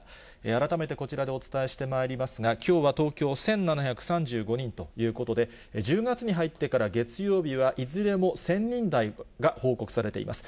改めてこちらでお伝えしてまいりますが、きょうは東京１７３５人ということで、１０月に入ってから、月曜日はいずれも１０００人台が報告されています。